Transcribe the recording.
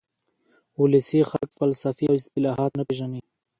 ولسي خلک فلسفي اصطلاحات نه پېژني